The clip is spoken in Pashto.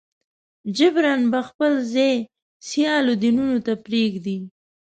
جبراً به خپل ځای سیالو دینونو ته پرېږدي.